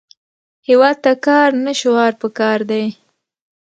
هیواد ته کار، نه شعار پکار دی